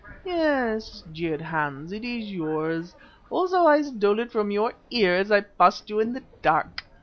"Yes," jeered Hans, "it is yours. Also I stole it from your ear as I passed you in the dark.